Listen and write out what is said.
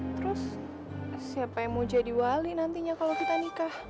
terus siapa yang mau jadi wali nantinya kalau kita nikah